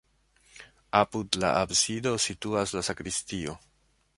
Apud la absido situas la sakristio.